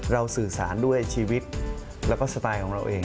สื่อสารด้วยชีวิตแล้วก็สไตล์ของเราเอง